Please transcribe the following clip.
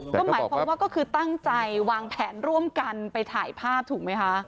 ก็หมายความว่าก็คือตั้งใจวางแผนร่วมกันไปถ่ายภาพถูกไหมคะ